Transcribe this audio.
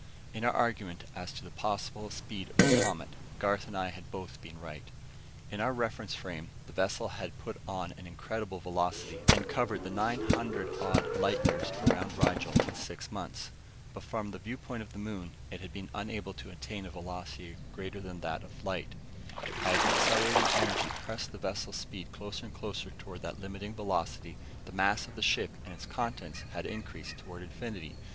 In our argument as to the possible speed of the Comet, Garth and I had both been right. In our reference frame, the vessel had put on an incredible velocity, and covered the nine hundred odd light years around Rigel in six months. But from the viewpoint of the moon, it had been unable to attain a velocity greater than that of light. As the accelerating energy pressed the vessel's speed closer and closer toward that limiting velocity, the mass of the ship and of its contents had increased toward infinity.